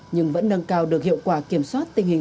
nhưng vẫn nâng cao được hiệu quả kiểm soát tình hình